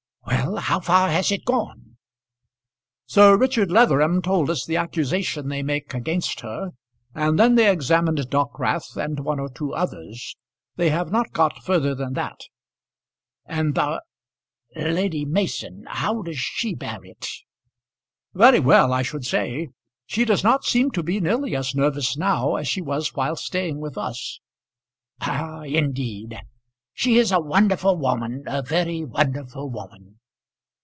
"Well, how far has it gone?" "Sir Richard Leatherham told us the accusation they make against her, and then they examined Dockwrath and one or two others. They have not got further than that." "And the Lady Mason how does she bear it?" "Very well I should say. She does not seem to be nearly as nervous now, as she was while staying with us." "Ah! indeed. She is a wonderful woman, a very wonderful woman.